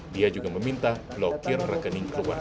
dia juga meminta blokir rekening keluarga